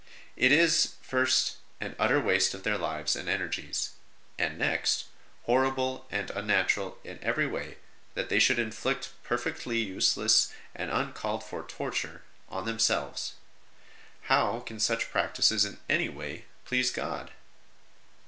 It is, first, an utter waste of their lives and energies; and next, horrible and unnatural in every way that they should inflict perfectly useless and uncalled for torture on themselves. How can such practices in any way please God